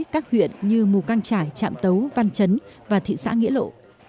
các huyện như mù căng trải trạm tấu văn chấn và thị xã nghĩa lộ